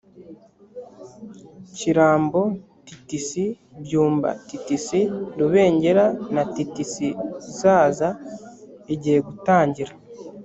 kirambo ttc byumba ttc rubengera na ttc zaza igiye gutangira